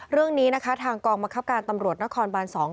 เรื่องนี้นะคะทางกองบังคับการตำรวจนครบาน๒